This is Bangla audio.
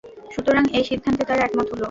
সুতরাং এই সিদ্ধান্তে তারা একমত হল।